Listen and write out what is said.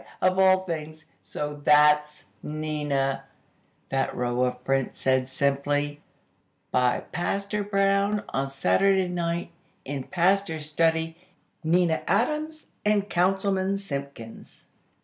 _ Of all things! So that's Nina " That row of print said, simply: "By Pastor Brown, on Saturday night, in Pastor's study, Nina Adams and Councilman Simpkins."